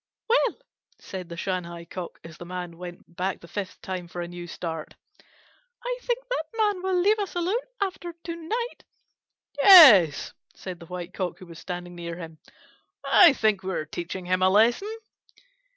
"Well," said the Shanghai Cock, as the Man went back the fifth time for a new start, "I think that Man will leave us alone after to night." "Yes," said the White Cock, who was standing near him, "I think we are teaching him a lesson."